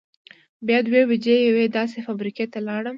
بیا دوه بجې یوې داسې فابرېکې ته لاړم.